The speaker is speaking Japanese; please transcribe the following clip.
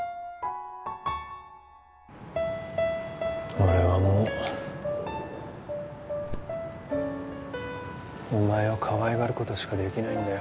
俺はもうお前をかわいがることしかできないんだよ